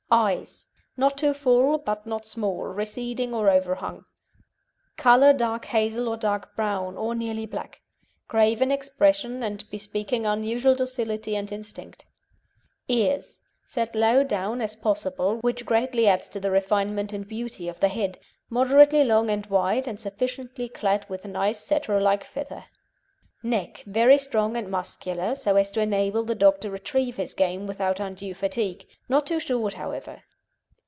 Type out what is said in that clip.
EYES Not too full, but not small, receding or overhung; colour dark hazel or dark brown, or nearly black; grave in expression, and bespeaking unusual docility and instinct. EARS Set low down as possible, which greatly adds to the refinement and beauty of the head, moderately long and wide, and sufficiently clad with nice Setter like feather. NECK Very strong and muscular, so as to enable the dog to retrieve his game without undue fatigue; not too short, however.